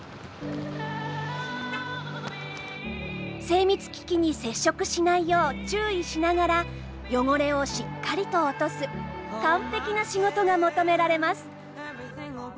精密機器に接触しないよう注意しながら汚れをしっかりと落とす完璧な仕事が求められます。